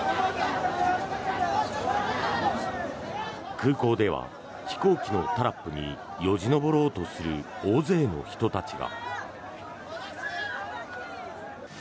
空港では飛行機のタラップによじ登ろうとする大勢の人たちが。